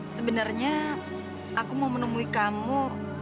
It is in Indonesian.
sebenarnya aku mau menemui kamu